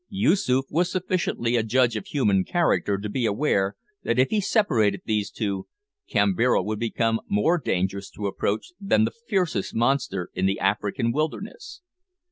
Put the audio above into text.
Yoosoof was sufficiently a judge of human character to be aware that if he separated these two, Kambira would become more dangerous to approach than the fiercest monster in the African wilderness.